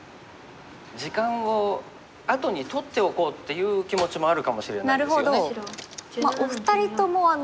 時間をあとに取っておこうっていう気持ちもあるかもしれないですよね。